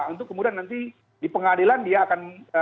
untuk kemudan nanti di pengadilan dia akan mendapatkan tkh dari hakemi